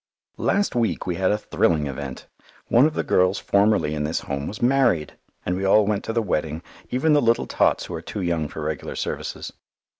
Last week we had a thrilling event; one of the girls formerly in this Home was married, and we all went to the wedding, even the little tots who are too young for regular services.